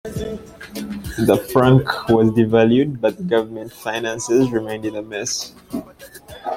The franc was devalued, but government finances remained in a mess.